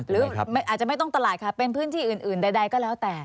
หรืออาจจะไม่ต้องตลาดค่ะเป็นพื้นที่อื่นใดก็แล้วแต่